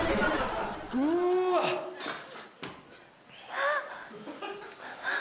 あっ。